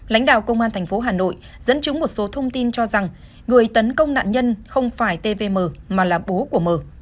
lãnh đạo công an tp hà nội dẫn chứng một số thông tin cho rằng người tấn công nạn nhân không phải tvm mà là bố của m